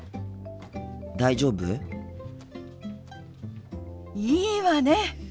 大丈夫？いいわね！